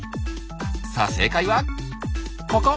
さあ正解はここ！